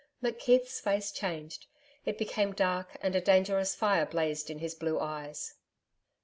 McKeith's face changed: it became dark and a dangerous fire blazed in his blue eyes.